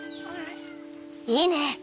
いいね。